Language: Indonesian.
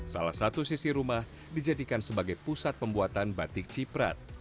salah satu sisi rumah dijadikan sebagai pusat pembuatan batik ciprat